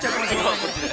◆今はこっちで。